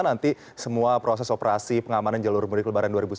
nanti semua proses operasi pengamanan jalur mudik lebaran dua ribu sembilan belas